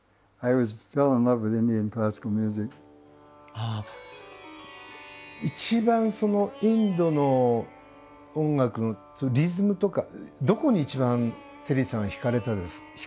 ああ一番そのインドの音楽のリズムとかどこに一番テリーさんは惹かれたんですかね。